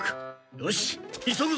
よし急ぐぞ。